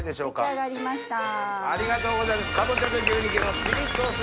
ありがとうございます。